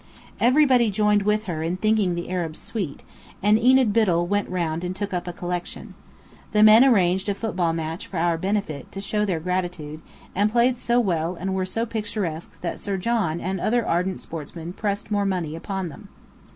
Everybody joined with her in thinking the Arabs sweet, and Enid Biddell went round and took up a collection. The men arranged a football match for our benefit, to show their gratitude, and played so well and were so picturesque that Sir John and other ardent sportsmen pressed more money upon them.